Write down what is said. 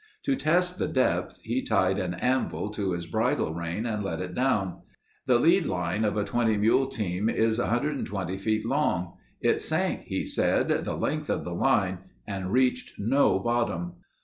To test the depth, he tied an anvil to his bridle rein and let it down. The lead line of a 20 mule team is 120 feet long. It sank (he said) the length of the line and reached no bottom.